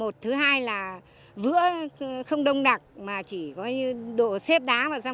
thứ hai là vữa không đông đặc mà chỉ đổ xếp đá vào